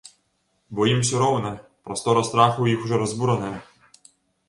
Бо ім усё роўна, прастора страху ў іх ужо разбураная.